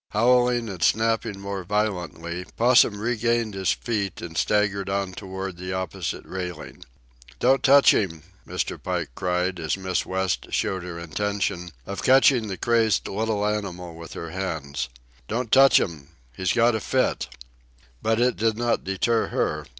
Howling and snapping more violently, Possum regained his feet and staggered on toward the opposite railing. "Don't touch him!" Mr. Pike cried, as Miss West showed her intention of catching the crazed little animal with her hands. "Don't touch'm! He's got a fit." But it did not deter her.